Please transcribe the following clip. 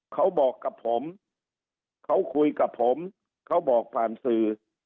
เขาบอกกับผมเขาคุยกับผมเขาบอกผ่านสื่อ